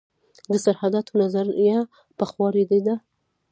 د سرحداتو نظریه پخوا ردېده.